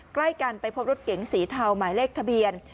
ใกล้กันไปพบรถเก๋งสีเทาหมายเลขทะเบียน